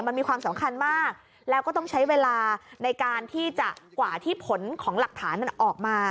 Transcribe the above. มันมีความสำคัญมากแล้วก็ต้องใช้เวลาในการที่จะกว่าที่ผลของหลักฐานมันออกมา